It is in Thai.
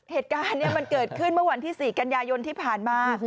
เหตุการณ์มันเกิดขึ้นเมื่อวันที่๔กันยายนที่ผ่านมา